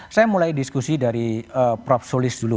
saya mulai diskusi dari prof solis dulu